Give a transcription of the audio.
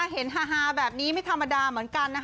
ฮาแบบนี้ไม่ธรรมดาเหมือนกัน